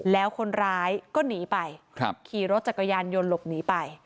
แล้วคนร้ายก็หนีไปขี่รถจักรยานยนต์หลบหนีไป